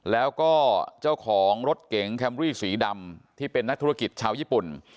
แล้วก็เจ้าของรถเก๋งแคมรี่สีดำที่เป็นนักธุรกิจชาวญี่ปุ่น